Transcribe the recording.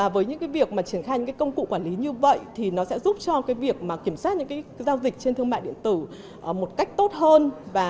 với những việc mà triển khai những công cụ quản lý như vậy thì nó sẽ giúp cho việc kiểm soát những giao dịch trên thương mại điện tử một cách tốt hơn